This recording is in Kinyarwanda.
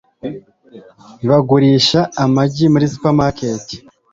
bagurisha amagi muri supermarket